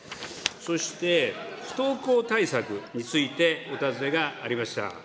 そして不登校対策についてお尋ねがありました。